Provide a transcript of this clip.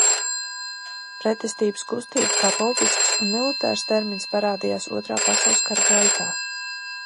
Pretestības kustība kā politisks un militārs termins parādījās Otrā pasaules kara gaitā.